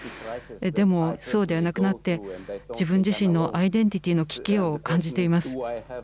でも、そうではなくなって、自分自身のアイデンティティーの危機を感じています。